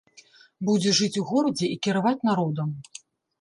Будзе жыць у горадзе і кіраваць народам.